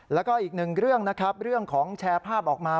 แล้วก็อีกหนึ่งเรื่องนะครับเรื่องของแชร์ภาพออกมา